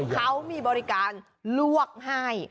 เขามีบริการลวกให้